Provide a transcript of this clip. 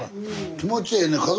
気持ちええね。